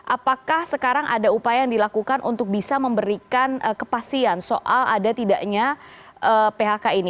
apakah sekarang ada upaya yang dilakukan untuk bisa memberikan kepastian soal ada tidaknya phk ini